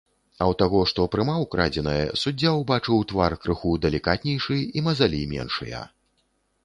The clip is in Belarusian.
А ў таго, што прымаў крадзенае, суддзя ўбачыў твар крыху далікатнейшы і мазалі меншыя.